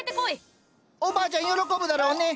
おばあちゃん喜ぶだろうね。